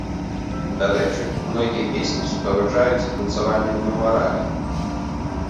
Дарэчы, многія песні суправаджаюцца танцавальнымі нумарамі.